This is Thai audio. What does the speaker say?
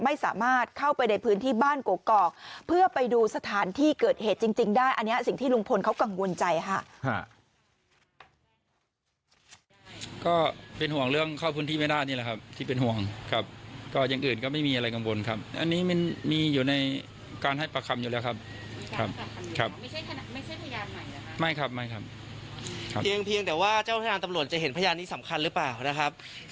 ไม่สามารถเข้าไปในพื้นที่บ้านกกอกเพื่อไปดูสถานที่เกิดเหตุจริงได้อันนี้สิ่งที่ลุงพลเขากังวลใจค่ะ